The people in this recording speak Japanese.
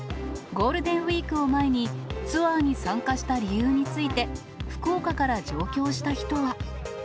ゴールデンウィークを前に、ツアーに参加した理由について、福岡から上京した人は。